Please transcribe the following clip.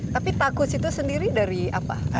tapi takut itu sendiri dari apa